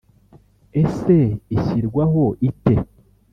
Ese ishyirwaho ite